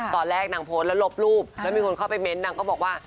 ตอนแรกนางโพสต์แล้วลบรูปแล้วมีคนเข้าไปเน้นนางก็บอกว่า